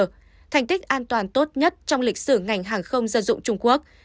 đây là kỷ lục bay an toàn liên tục tốt nhất trong lịch sử ngành hàng không dân dụng trung quốc